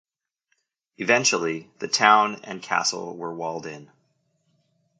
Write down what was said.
Eventually, the town and castle were walled in.